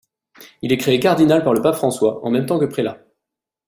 Il est créé cardinal par le pape François, en même temps que prélats.